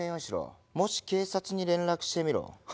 もし警察に連絡してみろ。